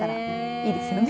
いいですね。